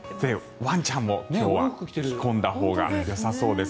ワンちゃんも今日は着込んだほうがよさそうです。